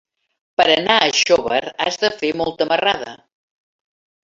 Per anar a Xóvar has de fer molta marrada.